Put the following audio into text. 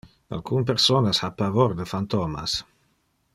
Alcun personas ha pavor de phantomas.